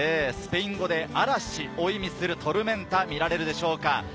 スペイン語で嵐を意味するトルメンタ、見られるでしょうか。